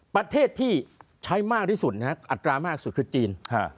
ประเทศที่ใช้มากที่สุดอัตรามากที่สุดคือจีน